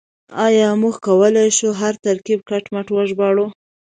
آيا موږ کولای شو هر ترکيب کټ مټ وژباړو؟